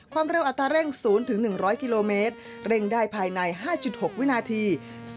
ความเร็วอัตราเร่ง๐๑๐๐กิโลเมตรเร่งได้ภายใน๕๖วินาที